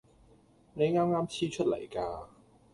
你啱啱黐出嚟㗎